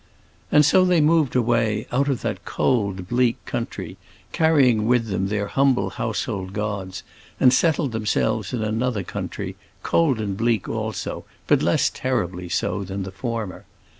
And so they moved away out of that cold, bleak country, carrying with them their humble household gods, and settled themselves in another country, cold and bleak also, but less terribly so than the former.